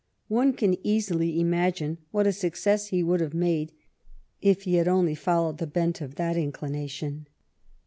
One can easily imagine what a success he would have made if he had only followed the bent of that inclination.